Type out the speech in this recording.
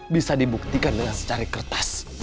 bisa dibuktikan dengan secari kertas